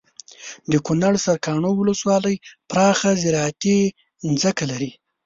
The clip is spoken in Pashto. دکنړ سرکاڼو ولسوالي پراخه زراعتي ځمکې لري